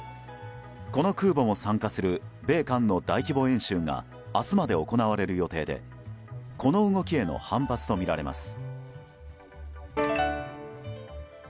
この空母も参加する米韓の大規模演習が明日まで行われる予定でこの動きへの反発とみられます。